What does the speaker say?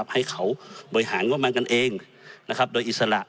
ให้เขาบริหารงบมันกันเองนะครับโดยอิสระ